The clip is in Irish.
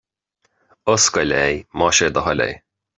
Oscail é, más é do thoil é